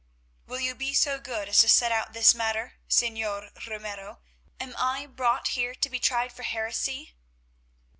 "Will you be so good as to set out this matter, Señor Ramiro? Am I brought here to be tried for heresy?"